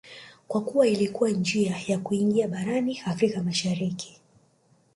kwa kuwa ilikuwa njia ya kuingia barani Afrika Mashariki